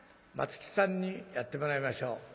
「松木さんにやってもらいましょう」。